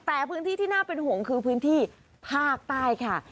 แต่พื้นที่ที่น่าเป็นห่วงคือพื้นที่ภาคใต้ค่ะ